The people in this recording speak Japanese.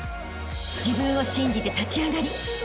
［自分を信じて立ち上がりあしたへ